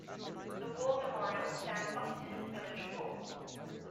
The War Memorial stands opposite Village Hall.